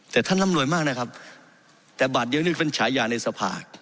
แต่ท่านร่ำรวยมากนะครับแต่บาทเดียวนี่เป็นฉายาในสภา